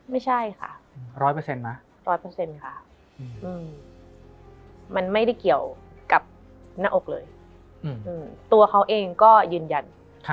ไม่ใช่ค่ะมันไม่ได้เกี่ยวกับหน้าอกเลยตัวเขาเองก็ยืนยัน